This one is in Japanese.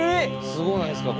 すごないですか？